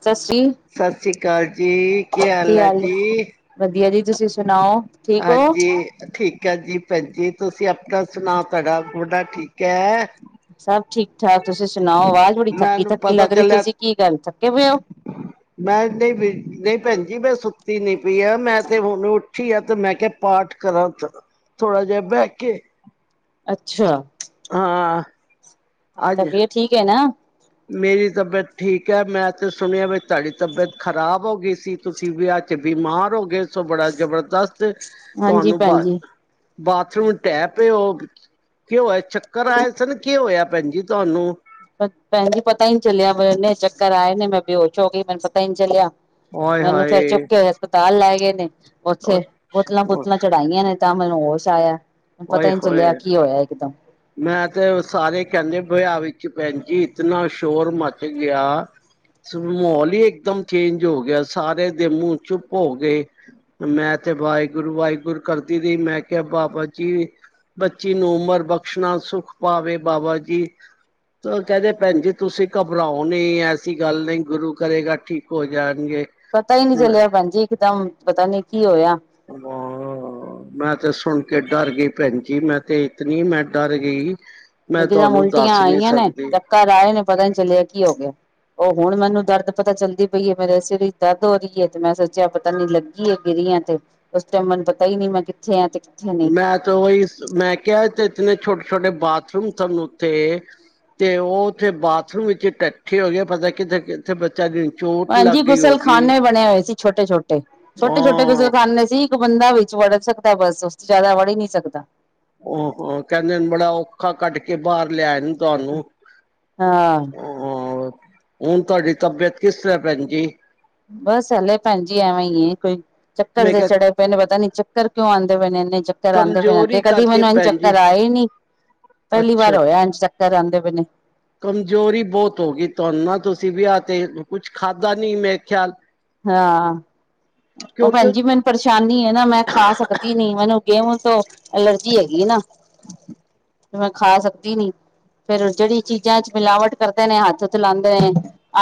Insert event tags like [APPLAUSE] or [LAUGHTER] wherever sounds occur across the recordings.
ਸਤਿ ਸ੍ਰੀ ਸਤਿ ਸ੍ਰੀ ਅਕਾਲ ਜੀ, ਕੀ ਹਾਲ ਆ ਜੀ? ਵਧੀਆ ਜੀ ਤੁਸੀਂ ਸੁਣਾਓ ਠੀਕ ਹੋ ਹਾਂਜੀ, ਠੀਕ ਹੈ ਜੀ। ਭੈਜੀ ਤੁਸੀਂ ਆਪਣਾ ਸੁਣਾਓ, ਤੁਹਾਡਾ ਗੋਡਾ ਠੀਕ ਹੈ? ਸਭ ਠੀਕ ਠਾਕ ਤੁਸੀਂ ਸੁਣਾਓ, ਆਵਾਜ਼ ਬੜੀ ਥੱਕੀ ਮੈਨੂੰ -ਥੱਕੀ ਪਤਾ ਲੱਗ ਰਹੀ, ਚੱਲਿਆ ਤੁਸੀਂ ਕੀ ਗੱਲ ਥੱਕੇ ਪਏ ਹੋ? ਮੈਂ ਨਹੀਂ, ਨਹੀਂ ਭੈਣ ਜ ਮੈਂ ਸੁੱਤੀ ਨੀ ਪਈ ਆ, ਮੈਂ ਤੇ ਹੁਣ ਉੱਠੀ ਆ ਤੇ ਮੈਂ ਕਿਹਾ ਪਾਠ ਕਰਾਂ, ਥੋੜਾ ਜਿਹਾ ਬਹਿ ਕੇ ਅੱਛਾ। ਹਾਂ। ਅੱਜ ਤਬੀਅਤ ਠੀਕ ਹੈ ਨਾ? ਮੇਰੀ ਤਬੀਅਤ ਠੀਕ ਹੈ ਮੈਂ ਤੇ ਸੁਣਿਆ, ਬ ਤੁਹਾਡੀ ਤਬੀਅਤ ਖ਼ਰਾਬ ਹੋ ਗਈ ਸੀ? ਤੁਸੀਂ ਵਿਆਹ 'ਚ ਬਿਮਾਰ ਹੋ ਗਏ ਸੋ ਬੜਾ ਜਬਰਦਸਤ, ਹਾਂਜੀ ਤੁਹਾਨੂੰ ਭੈਣ ਜੀ ਬਾਥਰੂਮ ਟਹਿ ਪਏ ਉਹ, ਕੀ ਹੋਇਆ ਚੱਕਰ ਆਏ ਸਨ, ਕੀ ਹੋਇਆ ਭੈਣ ਜ ਤੁਹਾਨੂੰ? ਭੈਣ ਜੀ ਮੈਨੂੰ ਪਤਾ ਹੀ ਚੱਲਿਆ, ਚੱਕਰ ਆਏ ਨੇ ਪਤਾ ਹੀ ਨਹੀਂ ਬਨੇ ਮੈ ਬੇਹੋਸ਼ ਹੋ ਗਈ, ਮੈਨੂੰ ਪਤਾ ਹੀ ਨਹੀਂੀ ਚੱਲਿਆ ਆਏ ਮੈਨੂੰ ਫੇਰ ਹਾਏ ਚੁੱਕ ਕੇ ਹੋ ਹਸਪਤਾਲ ਲੈ ਗਏ ਨੇ, ਉੱਥੇ ਬੋਤਲਾਂ- ਬੋਤਲਾਂ ਚੜਾਈਆਂ ਨੇ, ਤਾਂ ਮੈਨੂੰ ਹੋਸ਼ ਆਇਆ ਪਤਾ ੳਏ ਹੀ ਨਹੀਂ ਹੋਏ! ਚੱਲਿਆ ਕੀ ਹੋਇਆ ਇਕਦਮ ਮੈਂ ਤੇ ਸਾਰੇ ਕਹਿੰਦੇ ਵਿਆ ਵਿੱਚ ਭੈਣ ਜੀ, ਇਤਨਾ ਸ਼ੋਰ ਮੱਚ ਗਿਆ ਮਾਹੋਲ ਹੀ ਇੱਕਦਮ ਚੇਂਜ ਹੋ ਗਿਆ, ਸਾਰੇ ਦੇ ਮੂੰਹ ਚੁੱਪ ਹੋ ਗਏ। ਮੈਂ ਤੇ ਵਾਹਿਗੁਰੂ ਵਾਹਿਗੁਰੂ ਕਰਦੀ ਰਹੀ, ਮੈਂ ਕਿਹਾ ਬਾਬਾ ਬੱਚੀ ਨੂੰ ਉਮਰ ਬਖਸ਼ਣਾ, ਸੁੱਖ ਪਾਵੇ ਬਾਬਾ ਜੀ। ਉਹ ਕਹਿੰਦੇ ਭੈਣ ਜੀ ਤੁਸੀਂ ਘਬਰਾਓ ਨੀ ਐਸੀ ਗੱਲ ਨਹੀਂ ਗੁਰੂ ਕਰੇਗਾ ਠੀਕ ਹੋ ਜਾਣਗੇ। ਪਤਾ ਈ ਨੀ ਮੈਂ ਚਲਿਆ ਭੈਣ ਜੀ, ਇਕਦਮ ਪਤਾ ਨੀ ਕੀ ਹੋਇਆ। ਹਾਂ ਮੈਂ ਤੇ ਸੁਣ ਕੇ ਡਰ ਗਈ ਭੈਣ ਜੀ, ਮੈਂ ਤੇ ਇਤਨੀ ਮੈਂ ਡਰ ਗਈ ਮੈਂ ਇੱਕਦਮ ਤੁਹਾਨੂੰ ਉਲਟੀਆਂ ਦੱਸ ਨਹੀਂ ਆਈਆਂ ਨੇ, ਸਕਦੀ ਚੱਕਰ ਆਏ ਨੇ, ਪਤਾ ਨੀ ਚੱਲਿਆ ਕੀ ਹੋ ਗਿਆ। ਉਹ ਹੁਣ ਮੈਨੂੰ ਦਰਦ ਪਤਾ ਚੱਲਦੀ ਪਈ ਏ ਮੇਰੇ ਸਿਰ ਵਿੱਚ ਦਰਦ ਹੋ ਰਹੀ ਏ ਤੇ ਮੈਂ ਸੋਚਿਆ ਪਤਾ ਨੀ ਲੱਗ ਗੀ ਏ ਗਿਰੀ ਆ ਤੇ ਉਸ ਟਾਈਮ ਮੈਨੂੰ ਪਤਾ ਹੀ ਨੀ ਮੈਂ ਕਿੱਥੇ ਆ ਤੇ ਨਹੀਂ ਮੈਂ ਤਾਂ ਉਹੀ ਮੈਂ ਕਿਹਾ, ਇਤਨੇ ਛੋਟੇ-ਛੋਟੇ ਬਾਥਰੂਮ ਸਾਨੂੰ ਉੱਥੇ ਤੇ ਉਹ ਉੱਥੇ ਬਾਥਰੂਮ ਵਿੱਚ ਇਕਠੇ ਹੋ ਗਏ ਪਤਾ ਕਿੱਥੇ- ਬੱਚਾ ਦੀ ਚੋਟ ਲੱਗ ਹਾਂਜੀ ਗਈ ਹੋਗੀ ਗੁਸਲਖਾਨੇ ਬਣੇ ਹੋਏ ਸੀ ਛੋਟੇ-ਛੋਟੇ, ਛੋਟੇ-ਛੋਟੇ ਹਾਂ ਗੁਸਲਖਾਨੇ ਸੀ ਇੱਕ ਬੰਦਾ ਵਿੱਚ ਵੜ ਸਕਦਾ ਬਸ ਉਸ 'ਚ ਜ਼ਿਆਦਾ ਵੜ ਹੀ ਨੀ ਸਕਦਾ। ਉਹ ਕਹਿੰਦੇ ਬੜਾ ਔਖਾ ਕੱਢ ਕੇ ਬਾਹਰ ਲਿਆ ਇਹਨੂੰ। ਤੁਹਾਨੂੰ ਹਾਂ ਹਾਂ, ਹੁਣ ਤੁਹਾਡੀ ਤਬੀਅਤ ਕਿਸ ਤਰ੍ਹਾਂ ਭੈਣ ਜੀ? ਬਸ ਹਲੇ ਭੈਣ ਜੀ ਐਵੇਂ ਈ ਏ ਕੋਈ ਚੱਕਰ ਮੈਂ ਦੇ ਕਿਹਾ ਚੜੇ ਪੈਨੇ ਪਤਾ ਨੀ ਚੱਕਰ ਕਿਉਂ ਆਂਦੇ ਪਏ ਨੇ ਇੰਨੇ ਚੱਕਰ ਆਂਦੇ ਪਏ ਨੇ ਅੱਗੇ ਕਮਜ਼ੋਰੀ ਕਦੀ ਕਰਕੇ ਮੈਨੂੰ ਇੰਝ ਭੈਣ ਜੀ ਚੱਕਰ ਆਏ ਈ ਨੀ, ਪਹਿਲੀ ਅੱਛਾ ਵਾਰ ਅੱਛਾ ਹੋਇਆ ਇੰਝ ਚੱਕਰ ਆਂਦੇ ਪਏ ਨੇ। ਕਮਜ਼ੋਰੀ ਬਹੁਤ ਹੋ ਗਈ ਤੁਹਾਨੂੰ ਨਾ ਤੁਸੀਂ ਵਿਆਹ ਤੇ ਕੁਛ ਖਾਧਾ ਨੀ ਮੇ ਖਿਆਲ- ਹਾਂ, ਉਹ ਕਿਉਂਕਿ ਭੈਣ ਜੀ ਮੈਨੂੰ ਪਰੇਸ਼ਾਨੀ ਹੈ ਨਾ ਮੈਂ ਖਾ ਸਕਦੀ ਨੀ ਮੈਨੂੰ ਗੇਹੂ ਤੋਂ ਅਲਰਜੀ ਹੈਗੀ ਨਾ। ਮੈਂ ਖਾ ਸਕਦੀ ਨੀ, ਫੇਰ ਜਿਹੜੀ ਚੀਜ਼ਾਂ 'ਚ ਮਿਲਾਵਟ ਕਰਦੇ ਨੇ ਹੱਥ ਚਲਾਦੇ ਨੇ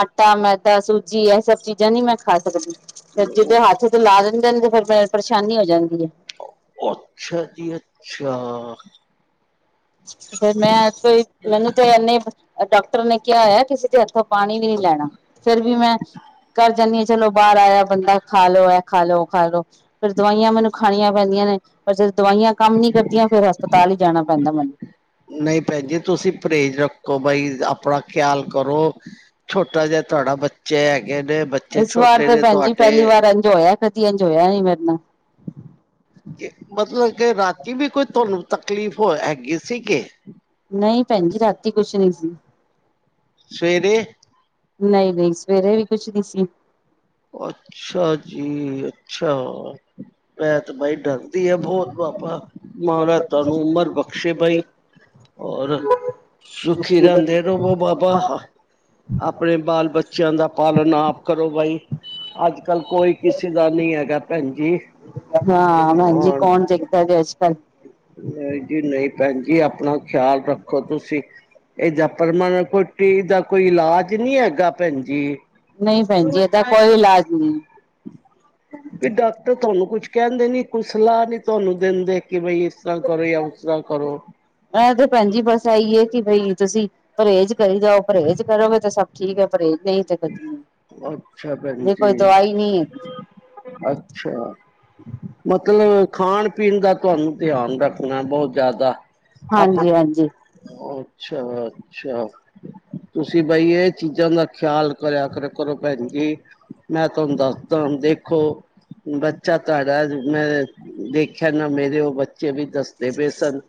ਆਟਾ, ਮੈਦਾ, ਸੂਜੀ ਇਹ ਸਭ ਚੀਜ਼ਾਂ ਨੀ ਮੈਂ ਖਾ ਸਕਦੀ। ਫਿਰ ਜਿਦੇ ਹੱਥ 'ਚ ਲਾ ਦਿੰਦੇ ਨੇ ਤੇ ਫੇਿਰ ਪਰੇਸ਼ਾਨੀ ਹੋ ਜਾਂਦੀ ਏ। ਅੱਛਾ ਜੀ ਅੱਛਾ। ਫਿਰ ਮੈਂ ਮੈਨੂੰ ਤੇ ਇਨੇ ਡਾਕਟਰ ਨੇ ਕਿਹਾ ਹੋਇਆ ਕਿਸੇ ਦੇ ਹੱਥੋਂ ਪਾਣੀ ਵੀ ਨੀ ਲੈਣਾ, ਫੇਰ ਵੀ ਮੈਂ ਘਰ ਜਾਂਨੀ ਆ ਚਲੋ ਬਾਹਰ ਆਇਆ ਬੰਦਾ ਖਾ ਲੋ ਐ ਖਾ ਲੋ ਉਹ ਖਾ ਲੋ। ਫਿਰ ਦਵਾਈਆਂ ਮੈਨੂੰ ਖਾਣੀਆਂ ਪੈਂਦੀਆਂ ਨੇ। ਪਰ ਜਦੋਂ ਦਵਾਈਆਂ ਕੰਮ ਨੀ ਕਰਦੀਆਂ ਫੇਰ ਹਸਪਤਾਲ ਹੀ ਜਾਣਾ ਪੈਂਦਾ ਮੈਨੂੰ। ਨਹੀਂ ਭੈਣ ਜੀ ਤੁਸੀਂ ਪਰਹੇਜ਼ ਰੱਖੋ ਬਈ ਆਪਣਾ ਖਿਆਲ ਕਰੋ। ਛੋਟਾ ਜਿਹਾ ਤੁਹਾਡਾ ਬੱਚੇ ਹੈਗੇ ਨੇ ਬਚ ਇਸ ਵਾਰ ਤੇ ਭੈਣ ਜੀ ਪਹਿਲੀ ਵਾਰ ਇੰਝ ਹੋਇਆ ਕਦੀ ਇੰਜ ਹੋਇਆ ਨੀ ਮੇਰੇ ਨਾ। ਮਤਲਬ ਕੇ ਰਾਤੀ ਵੀ ਕੋਈ ਤੁਹਾਨੂੰ ਤਕਲੀਫ਼ ਹੋ ਹੈਗੀ ਸੀ ਕਿ? ਨਹੀਂ ਭੈਣ ਜੀ ਰਾਤੀ ਕੁਛ ਨੀ ਸੀ। ਸਵੇਰੇ? ਨਹੀਂ-ਨਹੀਂ ਸਵੇਰੇ ਵੀ ਕੁਝ ਨੀ ਸੀ। ਅੱਛਾ ਜੀ ਅੱਛਾ, ਮੈਂ ਤਾਂ ਬਈ ਡਰ ਦੀ ਆ ਬੋਤ ਬਾਪਾ, ਮਾਰਾਜ ਤੁਹਾਨੂੰ ਉਮਰ ਬਖਸ਼ੇ ਬਈ। ਔਰ, ਸੁਖੀ ਰਹਿੰਦੇ। ਕਰੋ ਵੋ ਬਾਬਾ, ਆਪਣੇ ਬਾਲ ਬੱਚਿਆਂ ਦਾ ਪਾਲਣ ਆਪ ਕਰੋ ਬਾਈ। ਅੱਜਕੱਲ ਕੋਈ ਕਿਸੇ ਦਾ ਨੀ ਹੈਗਾ ਭੈਣ ਜੀ। ਹਾਂ ਹਾਂਜੀ ਕੌਣ ਦੇਖਦਾ ਜੇ ਅੱਜਕੱਲ। ਨਹੀਂ ਜੀ ਨਹੀਂ ਭੈਣ ਜੀ ਆਪਣਾ ਖਿਆਲ ਰੱਖੋ ਤੁਸੀਂ। ਇਹਦਾ ਪਰਮਾਣ ਕੋਟੀ ਦਾ ਕੋਈ ਇਲਾਜ ਨੀ ਹੈਗਾ ਭੈਣ ਜੀ। ਨਹੀਂ ਭੈਣ ਜੀ ਇਹਦਾ ਕੋਈ ਇਲਾਜ ਨੀ। ਵੀ ਡਾਕਟਰ ਤੁਹਾਨੂੰ ਕੁਛ ਕਹਿੰਦੇ ਨੀ ਕੁਈ ਸਲਾਹ ਨੀ ਤੁਹਾਨੂੰ ਦਿੰਦੇ ਕਿ ਬਈ ਇਸਰਾ ਕਰੋ ਯਾ ਉਸਰਾ ਕਰੋ। ਇਹ ਤੇ ਭੈਣ ਜੀ ਬਸ ਇਈਏ ਕਿ ਬਈ ਤੁਸੀਂ ਪਰਹੇਜ਼ ਕਰੀ ਜਾਓ ਪਰਹੇਜ਼ ਕਰੋਗੇ ਤੇ ਸ ਠੀਕ ਹੈ ਪਰਹੇਜ਼ ਅੱਛਾ [UNINTELLIGIBLE] ਭੈਣ ਜੇ ਕੋਈ ਜੀ ਦਵਾਈ ਨੀ ਹੈਗੀ। ਅੱਛਾ ਮਤਲਬ ਖਾਣ ਪੀਣ ਦਾ ਤੁਹਾਨੂੰ ਧਿਆਨ ਰੱਖਣਾ ਬੋਹ ਜਾਦਾ। ਆਪ ਹਾਂਜੀ ਹਾਂਜੀ ਅੱਛਾ-ਅੱਛਾ ਤੁਸੀਂ ਬਈ ਇਹ ਚੀਜ਼ਾਂ ਦਾ ਖਿਆਲ ਕਰਿਆ ਕਰ ਕਰੋ ਭੈਣ ਜੀ। ਮੈਂ ਤੁਹਾਨੂੰ ਦੱਸਦਾ ਦੇਖੋ ਬੱਚਾ ਤੁਹਾਡਾ ਮੈਂ ਦੇਖਿਆ ਨਾ ਮੇਰੇ ਉਹ ਬੱਚੇ ਵੀ ਦੱਸ ਦੇ ਪਏ ਸਨ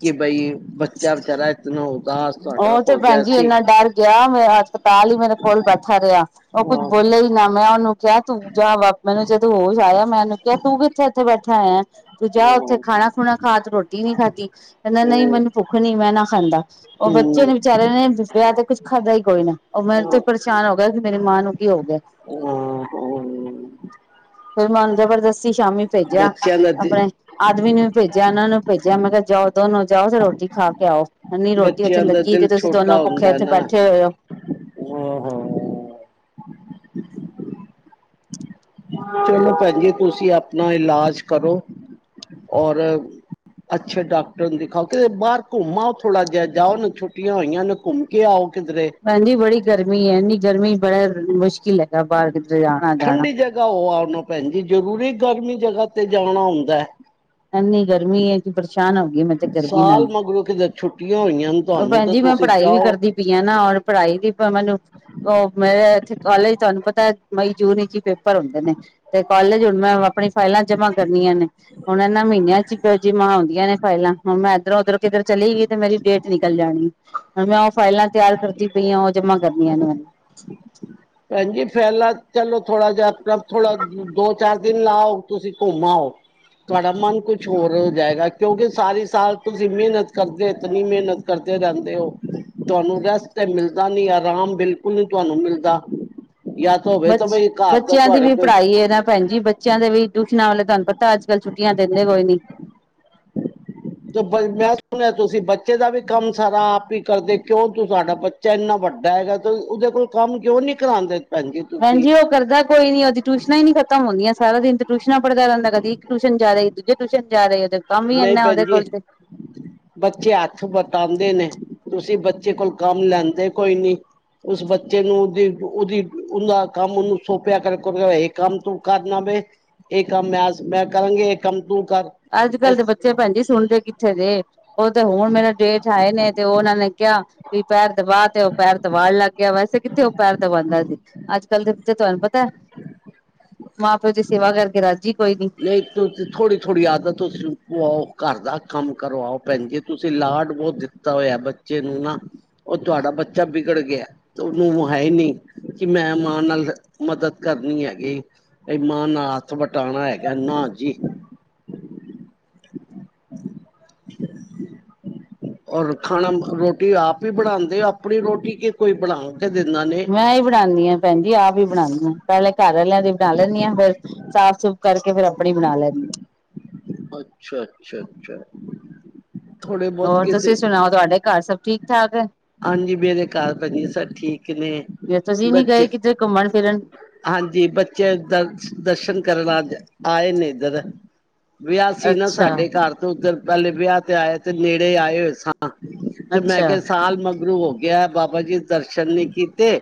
ਕਿ ਬਈ ਬੱਚਾ ਵਿਚਾਰਾ ਇਤਨਾ ਉਦਾਸ ਤੁਹਾਡਾ ਉਹ ਤੇ ਹੋ ਗਿਆ ਭੈਣ ਜੀ ਸੀ। ਇੰਨਾ ਡਰ ਗਿਆ ਮੇ ਹਸਪਤਾਲ ਹੀ ਮੇਰੇ ਕੋਲ ਬੈਠਾ ਰਿਹਾ ਉਹ ਕੁੱਝ ਹਾਂ ਬੋਲੇ ਹੀ ਨਾ ਮੈਂ ਉਹਨੂੰ ਕਿਹਾ ਤੂੰ ਜਾਂ ਵਾਪ ਮੈਨੂੰ ਜਦੋਂ ਹੋ ਜਾ ਆਇਆ ਮੈਨੂੰ ਕਿਹਾ ਤੂੰ ਕਿੱਥੇ ਇੱਥੇ ਬੈਠਾ ਹੋਇਆ। ਤੂੰ ਜਾ ਉੱਥੇ ਹਮ ਖਾਣਾ ਖੁਣਾ ਖਾ ਤੂੰ ਰੋਟੀ ਨੀ ਖਾਦੀ। ਕਹਿੰਦਾ ਨਈ ਮੈਨੂੰ ਭੁੱਖ ਨ ਮੈਂ ਨਾ ਖਾਂਦਾ। ਉਹ ਬੱਚੇ ਨੇ ਵਿਚਾਰੇ ਨੇ ਦੁਪਹਿਰ ਤੋ ਕੁਛ ਖਾਧਾ ਹੀ ਕੋਈ ਨਾ ਉਹ ਮੇਰੇ ਤੋਂ ਪਰੇਸ਼ਾਨ ਹੋ ਗਿਆ ਕਿ ਮੇਰੀ ਮਾਂ ਨੂੰ ਕੀ ਹੋ ਗਿਆ। [UNINTELLIGIBLE] ਹਮ ਫਿਰ ਮਨ ਜਬਰਦਸਤੀ ਸ਼ਾਮੀ ਭੇਜਿਆ। ਆਪਣੇ [UNINTELLIGIBLE] ਆਦਮੀ ਨੂੰ ਵੀ ਭੇਜਿਆ ਇਹਨਾਂ ਨੂੰ ਭੇਜਿਆ ਮੈਂ ਕਿਹਾ ਜਾਓ ਦੋਨ ਨੂੰ ਜਾਓ ਤੇ ਰੋਟੀ ਖਾ ਕੇ ਆਓ ਹਨੀ ਰੋ ਬੱਚਿਆਂ ਦਾ ਦਿਲ ਛੋਟਾ ਹੁੰਦਾ ਨਾ ਹੋਏ ਹੋ ਹਾਂ-ਹਾਂ। ਚਲੋ ਭੈਣ ਜੀ ਤੁਸੀਂ ਆਪਣਾ ਇਲਾਜ ਕਰੋ ਔਰ ਅੱਛੇ ਡਾਕਟਰ ਨੂੰ ਦਿਖਾਓ ਕਿਤੇ ਬਾਰ ਘੁੰਮਾ ਥੋੜਾ ਜਿਹਾ ਜਾਓ ਨਾ ਛੁਟੀਆਂ ਹੋਈਆਂ ਨੇ ਘੁੰਮ ਕੇ ਆਓ ਕਿਧਰੇ। ਭੈਣ ਜੀ ਬੜੀ ਗਰਮੀ ਹੈ ਇੰਨੀ ਗਰਮੀ ਬੜਾ ਮੁਸ਼ਕਿਲ ਹੈਗਾ ਬਾਰ ਕਿਧਰੇ ਜਾ ਠੰਡੀ ਜਗ੍ਹਾ ਹੋ ਆਓ ਨਾ ਭੈਣ ਜੀ ਜਰੂਰੀ ਗਰਮੀ ਜਗ੍ਹਾ ਤੇ ਜਾਣਾ ਹੁੰਦਾ। ਐਨੀ ਗਰਮੀ ਏ। ਪਰੇਸ਼ਾਨ ਹੋ ਗਈ ਮੈਂ ਤੇ ਗਰਮੀ ਸਾਲ ਨਾਲ, ਮਗਰੋਂ ਕਿਤੇ ਛੁੱਟੀਆਂ ਹੋਈਆਂ ਨੇ ਉਹ ਤੁਹਾਨੂੰ ਭੈਣ ਤਾਂ ਜੀ ਮੈਂ ਤੁਸੀਂ ਪੜ੍ਹਾਈ ਵੀ ਜਾਓ ਕਰਦੀ ਪੀਆ ਨਾ ਔਰ ਪੜ੍ਹਾਈ ਦੀ ਪ ਮੈਨੂੰ ਉਹ ਮੇ ਇੱਥੇ ਕਾਲਜ ਤੁਹਾਨੂੰ ਪਤਾ ਮਈ-ਜੂਨ ਵਿੱਚ ਹੀ ਪੇਪਰ ਹੁੰਦੇ ਨੇ। ਤੇ ਕਾਲਜ ਹੁਣ ਮੈਂ ਆਪਣੀ ਫਾਈਲਾਂ ਜਮਾਂ ਕਰਨੀਆ ਨੇ ਹੁਣ ਇਹਨਾ ਮਹੀਨਿਆ ਚ ਜਮਾਂ ਹੁੰਦੀਆਂ ਨੇ। ਫਾਈਲਾਂ ਹੁਣ ਮੈਂ ਇੱਧਰੋਂ ਉੱਧਰੋਂ ਕਿਧਰ ਚਲੀ ਗਈ ਤੇ ਮੇਰੀ ਡੇਟ ਨਿਕਲ ਜਾਣਗੀ ਹੁਣ ਮੈਂ ਇਹ ਫਾਈਲਾਂ ਤਿਆਰ ਕਰਦੀ ਪਈ ਆ ਉਹ ਜਮਾ ਕਰਨੀਆਂ ਨੇ ਹੁਣ। ਭੈਣ ਜੀ ਫਹਿਲਾ ਚਲੋ ਥੋੜਾ ਜਹਾ ਆਪਣਾ ਥੋੜਾ ਦੋ-ਚਾਰ ਦਿਨ ਲਾਓ ਤੁਸੀਂ ਘੁੰਮਾਓ। ਤੁਹਾਡਾ ਮਨ ਕੁਛ ਹੋਰ ਹੋ ਜਾਏਗਾ ਕਿਉਂਕਿ ਸਾਰੀ ਸਾਲ ਤੁਸੀਂ ਮਿਹਨਤ ਕਰਦੇ ਇਤਨੀ ਮਿਹਨਤ ਕਰਦੇ ਰਹਿੰਦੇ ਹੋ ਤੁਹਾਨੂੰ ਰੈਸਟ ਤੇ ਮਿਲਦਾ ਨੀ ਆਰਾਮ ਬਿਲਕੁਲ ਨੀ ਤੁਹਾਨੂੰ ਮਿਲਦਾ। ਯਾ ਬਚ ਬੱਚਿਆਂ ਦੀ ਵੀ ਪੜ੍ਹਾਈ ਹੈ ਨਾ ਭੈਣ ਜੀ ਬ ਬੱਚਿਆਂ ਦੇ ਵੀ ਟਿਊਸ਼ਨਾਂ ਵਾਲੇ ਤੁਹਾਨੂੰ ਪਤਾ ਅਜ ਕੱਲ ਛੁੱਟੀਆ ਦਿੰਦੇ ਕੋਈ ਨੀ। ਬ ਮੈਂ ਸੁਣਿਆ ਤੁਸੀਂ ਬੱਚੇ ਦਾ ਵੀ ਕੰਮ ਸਾਰਾ ਆਪ ਹੀ ਕਰਦੇ ਕਿਉਂ ਤੂੰ ਸਾਡਾ ਬੱ ਚ ਇੰਨਾ ਵੱਡਾ ਹੈਗਾ ਤੇ ਉਹਦੇ ਕੋਲ ਕੰਮ ਕਿਉਂ ਨੀ ਕਰਾਂਦੇ। ਭੈਣ ਜੀ ਉਹ ਕਰਦਾ ਕੋਈ ਨੀ ਉਹਦੀ ਟਿਊਸ਼ਨਾ ਹੀ ਨੀ ਖ ਹੁੰਦੀਆਂ ਸਾਰਾ ਦਿਨ ਤੇ ਟਿਊਸ਼ਨਾਂ ਪੜਦਾ ਰਹਦਾ ਕਦੀ ਇੱਕ ਟਿਊਸ਼ਨ ਜਾਹਾ ਦੂਜੇ ਟਿਊਸ਼ਨ ਜਾਹੇ ਉਹਦੇ ਕੰਮ ਵੀ ਨਈ ਇੰਨਾ ਭੈਣ ਉਹਦੇ ਜੀ। ਕੋਲ ਤੇ ਬੱਚੇ ਹੱਥ ਵਟਾਂਦੇ ਨੇ ਤੁਸੀਂ ਬੱਚੇ ਕੋਲੋ ਕੰਮ ਲੈਂਦੇ ਕੋਈ ਨੀ। ਉਸ ਬੱਚੇ ਨੂੰ ਓਦੀ-ਓਦੀ ਓਦਾ ਕੰਮ ਓਨੂੰ ਸੌਪਿਆ ਕਰ-ਕਰ ਏਹ ਕੰਮ ਤੂੰ ਕਰਨਾ ਵੇ। ਏਹ ਕੰਮ ਮੈਜ ਮੈਂ ਕਰਾਂਗੀ ਏਹ ਕੰਮ ਤੂੰ ਕਰ ਅੱਜ-ਕੱਲ੍ਹ ਇਸ ਦੇ ਬੱਚੇ ਭੈਨਜੀ ਸੁਨਦੇ ਕਿੱਥੇ ਨੇ। ਓ ਤੇ ਹੁਨ ਮੇਰਾ ਜੇਠ ਆਏ ਨੇ ਤੇ ਓਹ ਓਨਾਂ ਨੇ ਕਿਆ ਵੀ ਪੈਰ ਦਬਾ ਤੇ ਓ ਪੈਰ ਦਬਾਨ ਲਾਗਿਆ ਵੈਸੇ ਕਿੱਥੇ ਓ ਪੈਰ ਦਬਾਦਾਂ ਸੀ, ਅੱਜ-ਕੱਲ ਦੇ ਬੱਚੇ ਤੁਆਨੂੰ ਪਤਾ ਮਾਂ-ਪਿਓ ਦੀ ਸੇਵਾ ਕਰਕੇ ਰਾਜੀ ਕੋਈ ਨੀ। ਨਈੰ ਥੋੜ੍ਹੀ ਥੋੜੀ ਆਦਤ ਤੁਸੀਂ ਓਨੂੰ ਪੁਆਓ ਘਰ। ਦਾ ਕੰਮ ਕਰਵਾਓ ਭੈਨ ਜੀ ਤੁਸੀਂ ਲਾਡ ਬੋਤ ਦਿੱਤਾ ਹੋਏਆ ਬੱਚੇ ਨੂੰ ਨਾ। ਓ ਤੁਆਡਾ ਬੱਚਾ ਵਿਗੜ ਗੇਆ ਤੇ ਓਨੂੰ ਹੈ ਨਈਂ। ਕੀ ਮੈਂ ਮਾਂ ਨਾਲ ਮਦਦ ਕਰਨੀ ਹੈਗੀ, ਵੀ ਮਾਂ ਨਾਲ ਹੱਥ ਵਟਾਨਾ ਹੈਗਾ। ਕੈ ਨਾ ਜੀ। ਔਰ ਖਾਨਾ ਰੋਟੀ ਆਪ ਈ ਬਨਾਂਦੇ ਓ ਆਪਨੀ ਰੋਟੀ ਕਿ ਕੋਈ ਬਨਾ ਕੇ ਦਿੰਦਾ ਨੀ। ਮੈਂ ਈ ਬਨਾਨੀ ਆਂ ਭੈਨ ਜੀ ਆਪ ਈ ਬਨਾਨੀ ਆਂ ਪੈਲੇ ਘਰ ਆਲਿਆਂ ਦੀ ਬਨਾ ਲੈਂਨੀ ਹਾਂ ਫੇਰ ਸਾਫ਼ ਸੁਫ ਕਰਕੇ ਫੇਰ ਆਪਨੀ ਬਨਾ ਲੈਂਨੀ ਆਂ। ਅੱਛਾ-ਅੱਛਾ-ਅੱਛਾ। ਹੋਰ ਤੁਸੀਂ ਸਨਾਓ ਤੁਆਡੇ ਘਰ ਸਭ ਠੀਕ ਠਾਕ ਐ। ਹਾਂਜੀ ਮੇਰੇ ਘਰ ਵਦੀਆ ਸਬ ਠੀਕ ਨੇ ਬੱਚੇ ਘੁੰਮਨ ਫਿਰਨ ਹਾਂਜੀ ਬੱਚੇ ਦਰ ਦਰਸ਼ਨ ਕਰਨੇ ਆਂਦੇ ਐ। ਆਏ ਨੇ ਇਦਰ, ਵਿਆ ਸੀਂ ਨਾ ਅੱਛਾ ਸਾਡੇ ਘਰ ਓਦਰ ਪੈਲੇ ਵਿਆਹ ਤੇ ਆਏ ਤੇ ਨੇੜੇ ਆਏ ਹੋਏ ਸਾਂ ਤੇ ਮੈਂ ਅੱਛਾ ਕਿਆ ਸਾਲ ਮਗਰੂ ਹੋ ਗੇਆ ਬਾਬਾ ਜੀ ਦਰਸ਼ਨ ਨੀ ਕੀਤੇ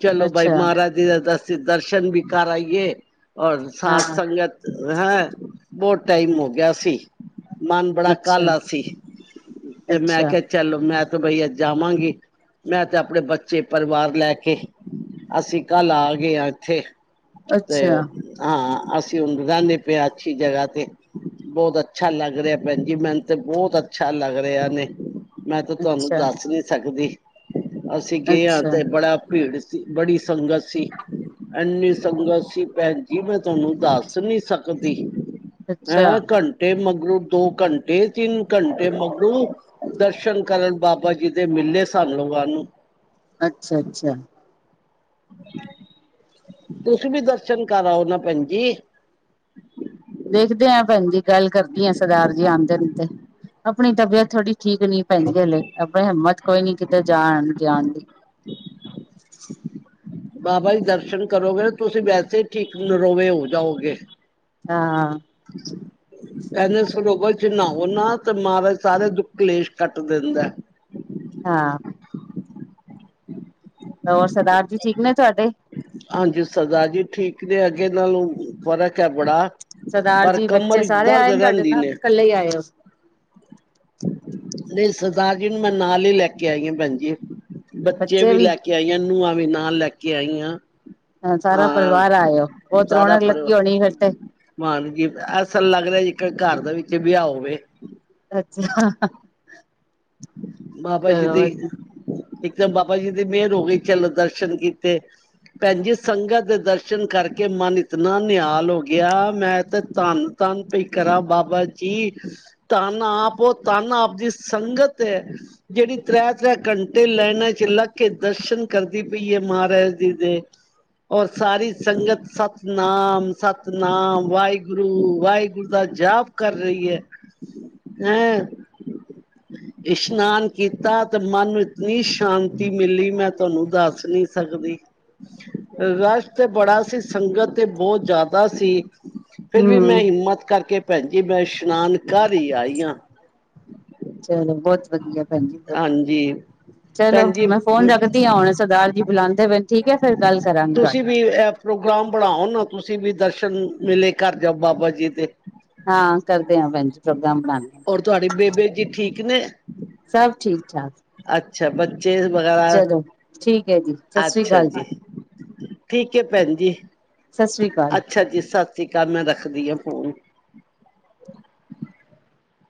ਚਲੋ ਬਾਈ ਅੱਛਾ ਮਹਾਰਾਜ ਦਾ ਦਰਸ ਦਰਸ਼ਨ ਵੀ ਕਰ ਆਈਏ, ਔਰ ਹਾਂ ਸਾਧ ਸੰਗਤ ਹੈਂ ਬਹੁ ਟਾਈਮ ਹੋ ਗਿਆ ਸੀ। ਮਨ ਬੜਾ ਅੱਛਾ ਕਾਲਾ ਸੀ, ਫੇਰ ਮੈਂ ਅੱਛਾ ਕਿਆ ਚਲੋ ਮੈਂ ਤੋ ਬਈ ਅੱਜ ਜਾਵਾਂਗੀ। ਮੈਂ ਤੇ ਆਪਨੇ ਬੱਚੇ ਪਰਿਵਾਰ ਲੈ ਕੇ ਅਸੀਂ ਕੱਲ ਆ ਏ ਏਥੇ, ਅੱਛਾ ਤੇ ਅੱਛਾ ਓ ਹਾਂ ਅਸੀਂ ਉਂਜ ਰੈਂਦੇ ਪਏ ਆਂ ਅੱਛੀ ਜਗ੍ਹਾ ਤੇ। ਬੋਤ ਅੱਛਾ ਲੱਗ ਰਿਆ ਭੈਨ ਜੀ ਮੈਨੂੰ ਤੇ ਬੋਤ ਅੱਛਾ ਲੱਗ ਰਿਆ ਨੇ। ਮੈਂ ਤਾਂ ਤੁਆਨੂੰ ਅੱਛਾ ਦੱਸ ਨੀ ਸਕਦੀ, ਅਸੀਂ ਗਏ ਆਂ ਅੱਛਾ ਤੇ ਬੜਾ ਭੀੜ ਤੀ ਬੜੀ ਸੰਗਤ ਸੀ। ਐਨੀ ਸੰਗਤ ਸੀ ਭੈਨ ਜੀ ਮੈਂ ਤੁਆਨੂੰ ਦੱਸ ਨੀ ਸਕਦੀ। ਅੱਛਾ ਐਂ ਘੰਟੇ ਮਗਰੋਂ ਦੋ ਘੰਟੇ ਤਿੰਨ ਘੰਟੇ ਮਗਰੋਂ ਦਰਸ਼ਨ ਕਰਨ ਬਾਬਾ ਜੀ ਦੇ ਮਿਲੇ ਸਾਨੂੰ ਵਾਨੂੰ ਅੱਛਾ-ਅੱਛਾ। ਤੁਸੀਂ ਵੀ ਦਰਸ਼ਨ ਕਰ ਆਓ ਨਾ ਭੈਨ ਜੀ। ਦੇਖਦੇ ਆਂ ਭੈਨ ਜੀ ਗੱਲ ਕਰਦੀ ਆਂ ਸਰਦਾਰ ਜੀ ਔਂਦੇ ਨੂੰ ਤੇ, ਆਪਨੀ ਤਬੀਅਤ ਥੋੜ੍ਹੀ ਠੀਕ ਨੀ ਭੈਨ ਜੀ ਹਲੇ ਆਪਨੀ ਹਿੰਮਤ ਕੋਈ ਨੀ ਕਿਤੇ ਜਾਨ-ਜਾਨ ਦੀ। ਬਾਬਾ ਜੀ ਦਰਸ਼ਨ ਕਰੋਗੇ ਤੁਸੀਂ ਵੈਸੇ ਠੀਕ ਨਰੋਵੇ ਹੋ ਜਾਓਗੇ। ਹਾਂ। ਕੈਂਦੇ ਸਰੋਵਰ ਚ ਨਾਓ ਨਾ ਤੇ ਮਹਾਰਾਜ ਸਾਰੇ ਦੁੱਖ ਕਲੇਸ਼ ਕੱਟ ਦਿੰਦੈ। ਹਾਂ ਹੋਰ ਸਰਦਾਰ ਜੀ ਠੀਕ ਨੇ ਤੁਹਾਡੇ ਹਾਂਜੀ ਸਰਦਾਰ ਜੀ ਠੀਕ ਨੇ ਅੱਗੇ ਨਾਲੋਂ ਫ਼ਰਕ ਹੈ ਬੜਾ ਸਰਦਾਰ ਪਰ ਜੀ ਬੱਚੇ ਕਮਰ ਚ ਸਾਰੇ ਦਰਦ ਆਏ ਨੇ ਤੁਹਾਡੇ ਰਹਿੰਦੀ ਨਾਲ ਨੇ ਕੱਲੇ ਹੀ ਆਏ ਹੋ ਨਹੀਂ ਸਰਦਾਰ ਜੀ ਨੂੰ ਮੈਂ ਨਾਲ ਹੀ ਲੈ ਕੇ ਆਈ ਭੈਣ ਜੀ ਬੱਚੇ ਵੀ ਲੈ ਕੇ ਜਾਈਆਂ ਨੂੰ ਵੀ ਨਾਲ ਲੈ ਕੇ ਆਈ ਹਾਂ ਹਾਂ ਸਾਰਾ ਪਰਿਵਾਰ ਹਾਂ ਆਇਓ ਬਹੁਤ ਸਾਰਾ ਰੌਣਕ ਲੱਗੀ ਪਰਿਵਾਰ ਹੋਣੀ ਫੇਰ ਤੇ ਮਾਨ ਜੀ ਐਸਾ ਲੱਗਦਾ ਜੇ ਘਰ ਦੇ ਵਿੱਚ ਵਿਆਹ ਹੋਵੇ ਅੱਛਾ ਬਾਬਾ ਜੀ ਚਲੋ ਦੀ ਇੱਕਦਮ ਬਾਬਾ ਜੀ ਦੀ ਮਿਹਰ ਹੋ ਗਈ ਚਲੋ ਦਰਸ਼ਨ ਕੀਤੇ ਭੈਣ ਜੀ ਸੰਗਤ ਦੇ ਦਰਸ਼ਨ ਕਰਕੇ ਮਨ ਇਤਨਾ ਨਿਹਾਲ ਹੋ ਗਿਆ ਮੈਂ ਤੇ ਧਨ ਧੰਨ ਪੀ ਕਰਾਂ ਬਾਬਾ ਜੀ ਧੰਨ ਆਪ ਉਹ ਧੰਨ ਆਪ ਦੀ ਸੰਗਤ ਤੇ ਜਿਹੜੀ ਤ੍ਰੈ ਤ੍ਰੈ ਘੰਟੇ ਲਾਈਨਾਂ 'ਚ ਲੱਗ ਕੇ ਦਰਸ਼ਨ ਕਰਦੀ ਪਈ ਹੈ ਮਹਾਰਾਜ ਜੀ ਦੇ ਔਰ ਸਾਰੀ ਸੰਗਤ ਸਤਨਾਮ ਸਤਨਾਮ ਵਾਹਿਗੁਰੂ ਵਾਹਿਗੂ ਗੁਰੂ ਦਾ ਜਾਪ ਕਰ ਰਹੀ ਹੈ [INAUDIBLE] ਹੈਂ ਇਸ਼ਨਾਨ ਕੀਤਾ ਤੇ ਮਨ ਨੂੰ ਇਤਨੀ ਸ਼ਾਂਤੀ ਮਿਲੀ ਮੈਂ ਤੁਹਾਨੂੰ ਦੱਸ ਨੀ ਸਕਦੀ ਰਸ਼ ਤੇ ਬੜਾ ਸੀ ਸੰਗਤ ਤੇ ਬਹੁਤ ਜ਼ਿਆਦਾ ਸੀ ਫੇਰ ਵੀ ਮੈਂ ਹਮ ਹਿੰਮਤ ਕਰਕੇ ਭੈਣ ਜੀ ਮੈਂ ਇਸ਼ਨਾਨ ਕਰ ਹੀ ਆਈ ਹਾਂ ਚਲੋ ਬਹੁਤ ਵਧੀਆ ਭੈਣ ਜੀ ਬਹੁਤ ਹਾਂਜੀ ਵਧੀਆ ਚਲੋ ਭੈਣ ਜੀ ਮੈਂ ਫੋਨ ਰੱਖਦੀ ਹਾਂ ਹੁਣ ਸਰਦਾਰ ਜੀ ਬੁਲਾਉਂਦੇ ਪਏ ਠੀਕ ਹੈ ਫੇਰ ਗੱਲ ਕਰਾਂਗੀ ਤੁਹਾਡੇ ਨਾਲ ਓ ਐਪ ਪ੍ਰੋਗਰਾਮ ਬਣਾਓ ਨਾ ਤੁਸੀਂ ਵੀ ਦਰਸ਼ਨ ਮਿਲੇ ਘਰ ਜਾਓ ਬਾਬਾ ਜੀ ਦੇ ਹਾਂ ਕਰਦੇ ਹਾਂ ਭੈਣ ਜੀ ਪ੍ਰੋਗਰਾਮ ਔਰ ਤੁਹਾਡੇ ਬਣਾਉਦੇ ਬੇਬੇ ਜੀ ਠੀਕ ਨੇ ਸਬ ਠੀਕ ਠਾਕ ਅੱਛਾ ਬੱਚੇ ਵਗੈਰਾ ਚਲੋ ਠੀਕ ਹੈ ਜੀ ਸਤਿ ਸ੍ਰੀ ਅੱਛਾ ਅਕਾਲ ਜੀ ਠੀਕ ਹੈ ਭੈਣ ਜੀ ਸਤਿ ਸ੍ਰੀ ਅਕਾਲ ਅੱਛਾ ਜੀ ਸਸ੍ਰੀ ਅਕਾਲ ਮੈਂ ਰੱਖਦੀ ਹਾਂ ਫੋਨ